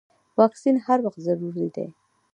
واکسین هر وخت ضروري دی.